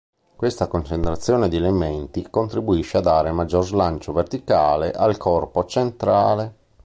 Questa concentrazione di elementi contribuisce a dare maggiore slancio verticale al corpo centrale.